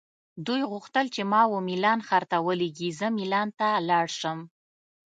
دوی غوښتل چې ما وه میلان ښار ته ولیږي، زه مېلان ته لاړ شم.